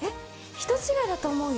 人違いだと思うよ。